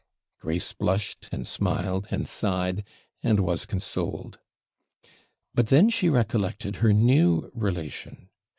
Grace blushed, and smiled, and sighed, and was consoled. But then she recollected her new relation.